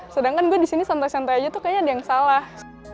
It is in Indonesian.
sedangkan gue disini santai santai aja tuh kayaknya ada yang salah